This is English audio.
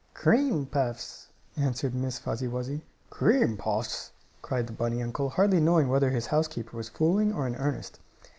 "Cream puffs," answered Miss Fuzzy Wuzzy. "Cream puffs?" cried the bunny uncle, hardly knowing whether his housekeeper was fooling or in earnest.